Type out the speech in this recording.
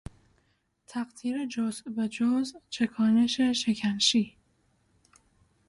تقطیر جز به جز، چکانش شکنشی